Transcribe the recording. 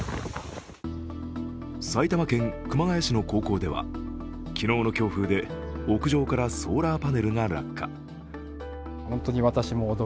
埼玉県熊谷市の高校では、昨日の強風で屋上からソーラーパネルが落下。